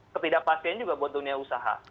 ketidakpastian juga buat dunia usaha